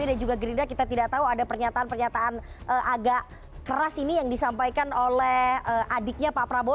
dan juga gerinda kita tidak tahu ada pernyataan pernyataan agak keras ini yang disampaikan oleh adiknya pak prabowo